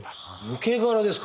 抜け殻ですか？